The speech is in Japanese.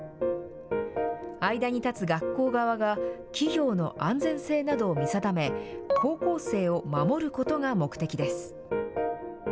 間に立つ学校側が企業の安全性などを見定め、高校生を守ることが目的です。